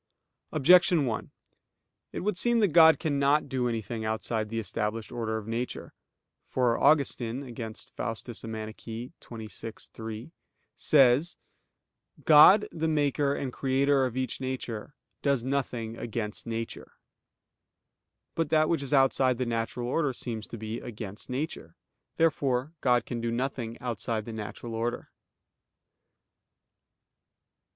Objection 1: It would seem that God cannot do anything outside the established order of nature. For Augustine (Contra Faust. xxvi, 3) says: "God the Maker and Creator of each nature, does nothing against nature." But that which is outside the natural order seems to be against nature. Therefore God can do nothing outside the natural order.